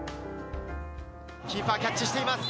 キーパーキャッチしています。